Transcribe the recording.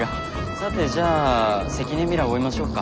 さてじゃあ関根ミラ追いましょうか。